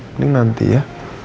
mending nanti ya